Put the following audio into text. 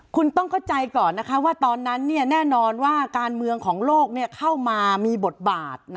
คุณต้องเข้าใจก่อนนะคะว่าตอนนั้นแน่นอนว่าการเมืองของโลกเข้ามามีบทบาท